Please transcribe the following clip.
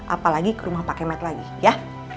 apalagi ke rumah pak kemet lagi ya